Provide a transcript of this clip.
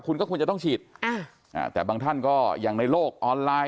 คุณก็ควรจะต้องฉีดอ่าแต่บางท่านก็อย่างในโลกออนไลน์